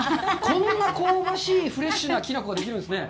こんな香ばしい、フレッシュなきな粉ができるんですね。